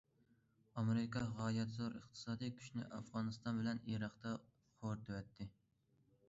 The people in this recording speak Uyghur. ئامېرىكا غايەت زور ئىقتىسادىي كۈچىنى ئافغانىستان بىلەن ئىراقتا خورىتىۋەتتى.